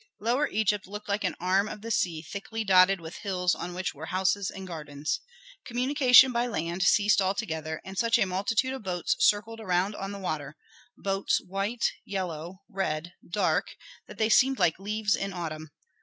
Lower Egypt looked like an arm of the sea thickly dotted with hills on which were houses and gardens. Communication by land ceased altogether, and such a multitude of boats circled around on the water boats white, yellow, red, dark that they seemed like leaves in autumn.